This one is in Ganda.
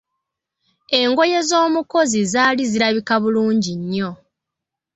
Engoye z'omukozi zaali zirabika bulungi nnyo.